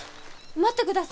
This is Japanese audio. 待ってください。